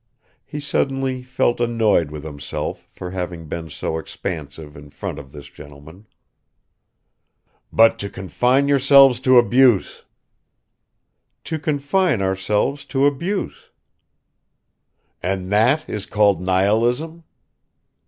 He suddenly felt annoyed with himself for having been so expansive in front of this gentleman. "But to confine yourselves to abuse." "To confine ourselves to abuse." "And that is called nihilism?"